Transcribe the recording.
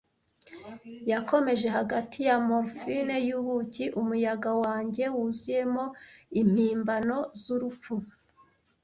Yakomeje hagati ya morfine yubuki , umuyaga wanjye wuzuyemo impimbano zurupfu,